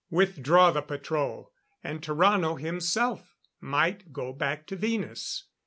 Withdraw the patrol, and Tarrano himself might go back to Venus.